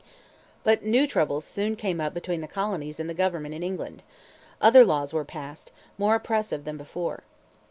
But new troubles soon came up between the colonies and the government in England. Other laws were passed, more oppressive than before.